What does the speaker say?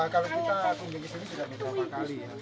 kalau kita kunjungi di sini sudah berapa kali